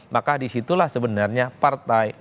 maka disitulah sebenarnya partai